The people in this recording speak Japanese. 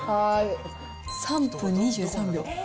３分２３秒。